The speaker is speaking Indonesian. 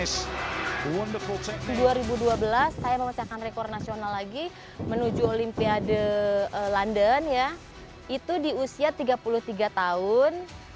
dua ribu dua belas saya memecahkan rekor nasional lagi menuju olimpiade london itu di usia tiga puluh tiga tahun